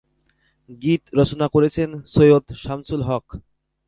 গীত রচনা করেছেন সৈয়দ শামসুল হক।